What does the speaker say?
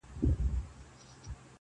o وفا سمندر ځانګړی ليکوال دئ,